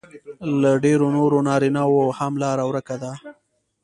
له ډېرو نورو نارینهو هم لار ورکه ده